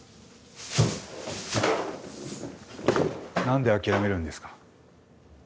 なんで諦めるんですか？